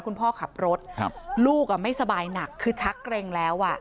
คุณพ่อขับรถลูกไม่สบายหนักคือชักเกร็งแล้วอ่ะ